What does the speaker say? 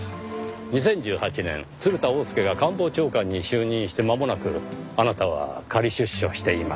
２０１８年鶴田翁助が官房長官に就任してまもなくあなたは仮出所しています。